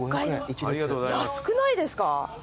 安くないですか？